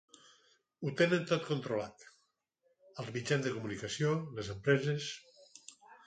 Ho tenen tot controlat: els mitjans de comunicació, les empreses.